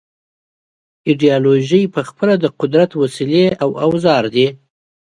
ایدیالوژۍ پخپله د قدرت وسیلې او اوزار دي.